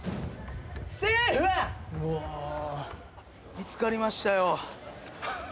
見つかりましたよ。